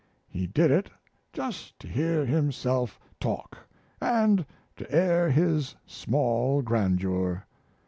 He did it just to hear himself talk and to air his small grandeur.